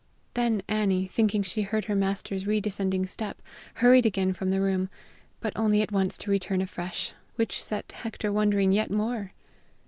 Then Annie, thinking she heard her master's re descending step, hurried again from the room; but only at once to return afresh, which set Hector wondering yet more.